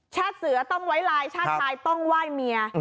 เสือต้องไว้ลายชาติชายต้องไหว้เมีย